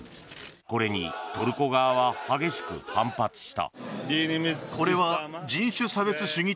これにトルコ側は激しく反発した。